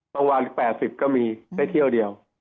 บางวัน๘๐ก็มีได้เที่ยวเดียว